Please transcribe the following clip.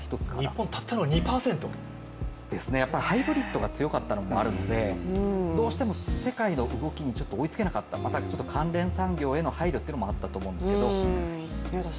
日本、たったの２％？ですね、ハイブリッドが強かったのもあるのでどうしても世界の動きに追いつけなかった、また関連産業への配慮というものもあったと思うんですけど。